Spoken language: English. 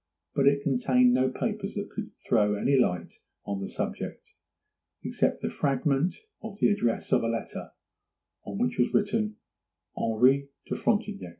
It contained no papers that could throw any light on the subject, except the fragment of the address of a letter, on which was written 'Henri de Frontignac.